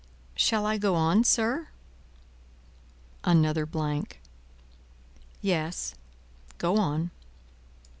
"Shall I go on, sir?" Another blank. "Yes, go on."